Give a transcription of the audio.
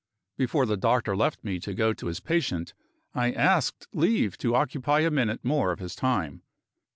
Before the doctor left me to go to his patient, I asked leave to occupy a minute more of his time.